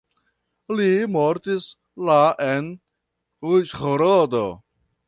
Li mortis la en Uĵhorodo.